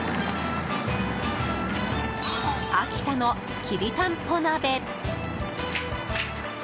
秋田のきりたんぽ鍋。